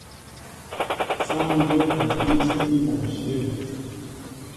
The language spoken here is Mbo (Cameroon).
Sááŋ dyóp a bííy síní mɔ ǹshyə̂.